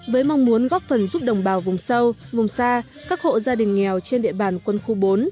với mong muốn góp phần giúp đồng bào vùng sâu vùng xa các hộ gia đình nghèo trên địa bàn quân khu bốn